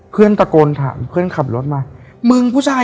เพื่อนตะโกนถามเพื่อนขับรถมา